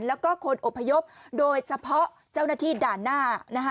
แล้วก็คนอบพยพโดยเฉพาะเจ้าหน้าที่ด่านหน้านะคะ